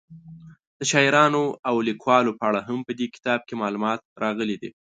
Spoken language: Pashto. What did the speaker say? د شاعرانو او لیکوالو په اړه هم په دې کتاب کې معلومات راغلي دي.